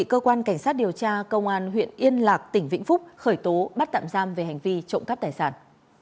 bị cơ quan cảnh sát điều tra công an huyện yên lạc tỉnh vĩnh phúc khởi tố bắt tạm giam về hành vi trộm cắp tài sản